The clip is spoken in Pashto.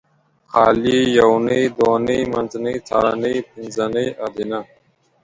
خالي یونۍ دونۍ منځنۍ څارنۍ پنځنۍ ادینه